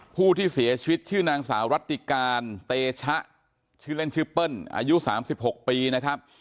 ผู้ที่เสียชีวิตชื่อนางสาวรัติการเตชะชื่อเล่นชื่อเปิ้ลอายุ๓๖ปีนะครับ